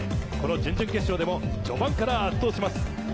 この準々決勝でも序盤から圧倒します。